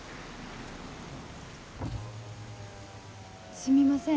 すみません